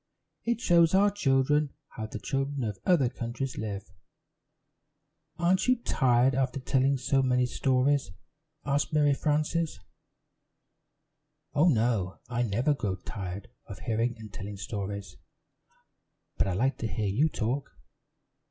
It shows our children how the children of other countries live." "Aren't you tired after telling so many stories?" asked Mary Frances. "Oh, no, I never grow tired of hearing and telling stories; but I like to hear you talk.